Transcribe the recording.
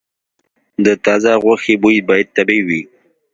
د تازه غوښې بوی باید طبیعي وي.